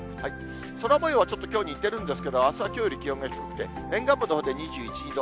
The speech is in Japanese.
空もようはちょっときょうに似てるんですけど、あすはきょうより気温が低くて、沿岸部のほうで２１、２度。